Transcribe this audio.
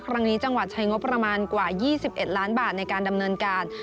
จังหวัดใช้งบประมาณกว่า๒๑ล้านบาทในการดำเนินการ